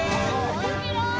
面白い！